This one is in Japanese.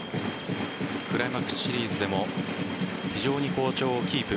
クライマックスシリーズでも非常に好調をキープ。